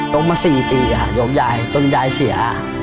มา๔ปีโยมยายจนยายเสีย